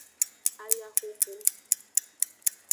Ayahoho.